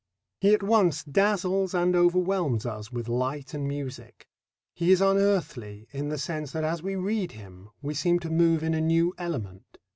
He at once dazzles and overwhelms us with light and music. He is unearthly in the sense that as we read him we seem to move in a new element.